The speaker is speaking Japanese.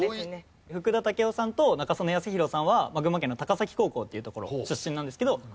福田赳夫さんと中曽根康弘さんは群馬県の高崎高校っていうところ出身なんですけど。